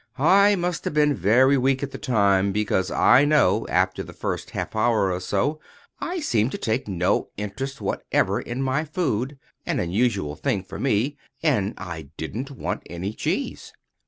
I must have been very weak at the time; because I know, after the first half hour or so, I seemed to take no interest whatever in my food—an unusual thing for me—and I didn't want any cheese.